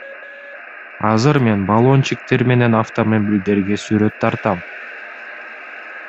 Азыр мен баллончиктер менен автомобилдерге сүрөт тартам.